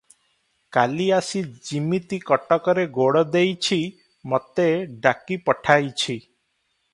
କାଲି ଆସି ଯିମିତି କଟକରେ ଗୋଡ଼ ଦେଇଛି, ମୋତେ ଡାକି ପଠାଇଛି ।